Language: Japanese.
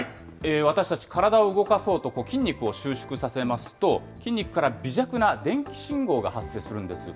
私たち、体を動かそうと、筋肉を収縮させますと、筋肉から微弱な電気信号が発生するんです。